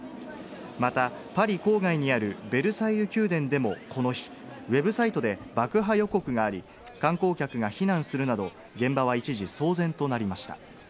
また、パリ郊外にあるベルサイユ宮殿でもこの日、ウェブサイトで爆破予告があり、観光客が避難するなど現場は一時騒然となりました。